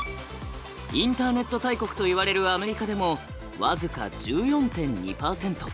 インターネット大国といわれるアメリカでも僅か１４．２％。